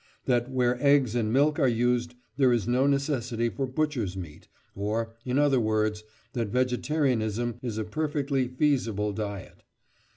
that where eggs and milk are used there is no necessity for butchers' meat, or, in other words, that vegetarianism is a perfectly feasible diet.